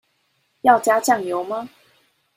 要加醬油嗎？